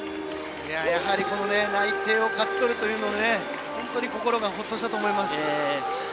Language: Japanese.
やはり内定を勝ち取るというのは本当に心がほっとしたと思います。